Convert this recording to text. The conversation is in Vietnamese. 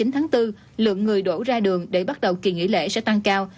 hai mươi chín tháng bốn lượng người đổ ra đường để bắt đầu kỳ nghỉ lễ sẽ tăng cao